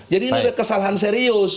jadi ini kesalahan serius